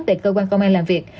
tại cơ quan công an làm việc